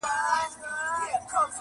پسرلی سو ژمی ولاړی مخ یې تور سو.!